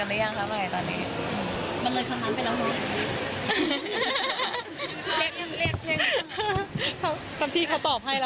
เรียกต้องแฟนกันได้ไหมตอนนี้